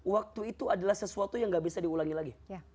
waktu itu adalah sesuatu yang gak bisa diulangi lagi